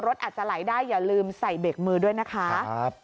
รถอาจจะไหลได้อย่าลืมใส่เบรกมือด้วยนะคะ